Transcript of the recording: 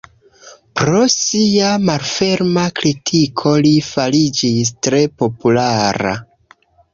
Pro sia malferma kritiko li fariĝis tre populara.